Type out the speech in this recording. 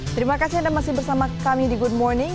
terima kasih anda masih bersama kami di good morning